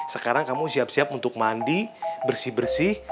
sekarang kamu siap siap untuk mandi bersih bersih